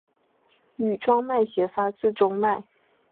羽状脉斜发自中脉。